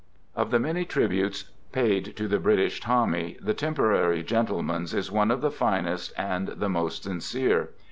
Of the many tributes paid to the British Tommy, the Temporary Gentleman's is one of the finest and the most sincere.